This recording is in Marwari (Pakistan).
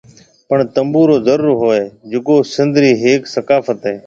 پڻ تنبورو ضرور ھوئي جڪو سنڌ ري ھيَََڪ ثقافت ھيَََ